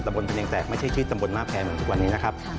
ตำบลพะเนียงแตกไม่ใช่ชีวิตตำบลมาพแพงอย่างทุกวันนี้นะครับ